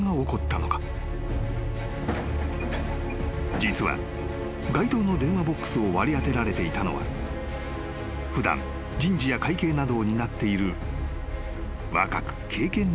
［実は該当の電話ボックスを割り当てられていたのは普段人事や会計などを担っている］